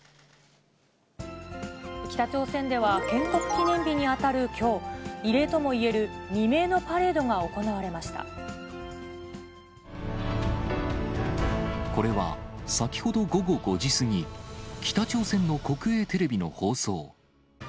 北朝鮮では、建国記念日に当たるきょう、異例ともいえる未明のパレードがこれは、先ほど午後５時過ぎ、北朝鮮の国営テレビの放送。